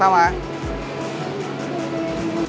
terima kasih ya mas